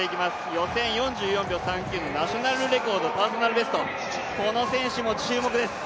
予選４４秒３９のナショナルレコード、パーソナルベスト、この選手も注目です。